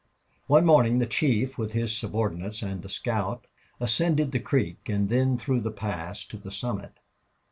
One morning the chief, with his subordinates and a scout, ascended the creek and then through the pass to the summit.